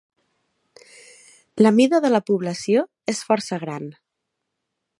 La mida de la població és força gran.